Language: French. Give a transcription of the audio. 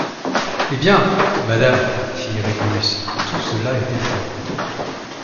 Eh bien ! madame, fit Régulus, tout cela était faux.